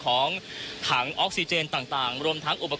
คุณทัศนาควดทองเลยค่ะ